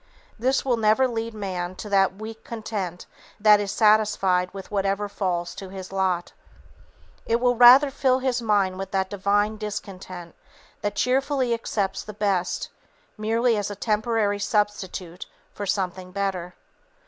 This will never lead man to that weak content that is satisfied with whatever falls to his lot. It will rather fill his mind with that divine discontent that cheerfully accepts the best, merely as a temporary substitute for something better.